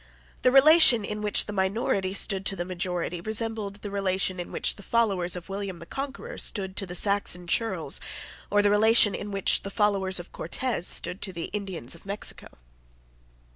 The relation in which the minority stood to the majority resembled the relation in which the followers of William the Conqueror stood to the Saxon churls, or the relation in which the followers of Cortes stood to the Indians of Mexico.